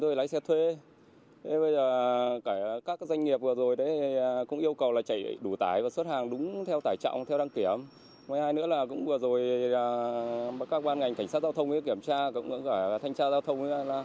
thì các ban ngành cảnh sát giao thông kiểm tra cũng gọi là thanh tra giao thông